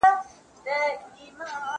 زه اوس شګه پاکوم!؟